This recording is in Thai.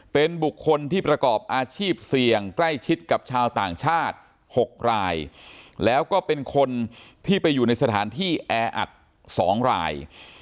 เป็นบุคคลที่ประกอบอาชีพเสี่ยงใกล้ชิดกับชาวต่างชาติ๖รายแล้วก็เป็นคนที่ไปอยู่ในสถานที่แออัด๒ราย